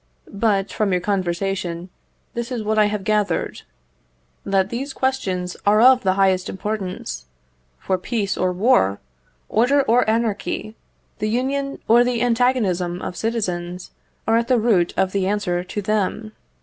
But, from your conversation, this is what I have gathered: That these questions are of the highest importance; for peace or war, order or anarchy, the union or the antagonism of citizens, are at the root of the answer to them.